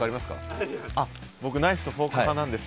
僕ナイフとフォーク派なんです。